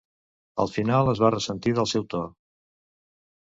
Al final es va ressentir del seu to.